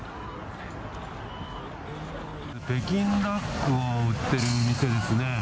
北京ダックを売ってる店ですね。